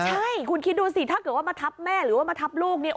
ใช่คุณคิดดูสิถ้าเกิดว่ามาทับแม่หรือว่ามาทับลูกเนี่ย